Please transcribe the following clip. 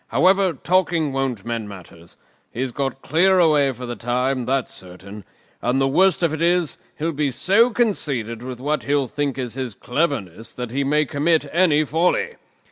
"However, talking won't mend matters. He's got clear away for the time, that's certain; and the worst of it is, he'll be so conceited with what he'll think is his cleverness that he may commit any folly.